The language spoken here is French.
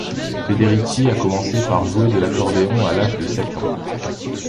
Federici a commencé par jouer de l'accordéon à l'âge de sept ans.